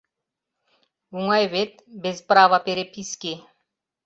Оҥай вет — «без права переписки»?